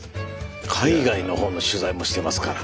海外のほうの取材もしてますから。